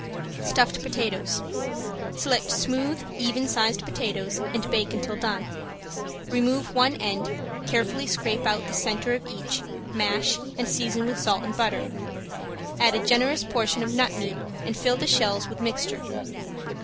~STUFFED POTATOES~ Select smooth, even sized potatoes and bake until done. Remove one end, carefully scrape out the center of each mash and season with salt and butter, add a generous portion of nut meat and fill the shells with the mixture.